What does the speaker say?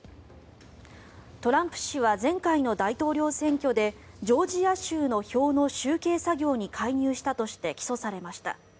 トランプ氏は前回の大統領選挙でジョージア州の票の集計作業に介入したとして起訴されました。